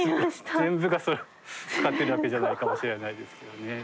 全部がそれを使ってるわけじゃないかもしれないですけどね。